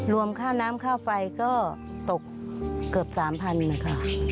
รวมค่าน้ำค่าไฟก็ตกเกือบ๓๐๐๐ค่ะ